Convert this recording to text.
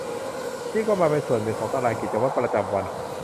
นี่ก็มาเป็นส่วนหนึ่งของตารางกิจวัตรประจำวัน